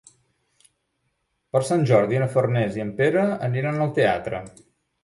Per Sant Jordi na Farners i en Pere aniran al teatre.